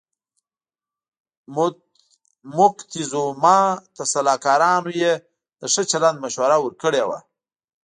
موکتیزوما ته سلاکارانو یې د ښه چلند مشوره ورکړې وه.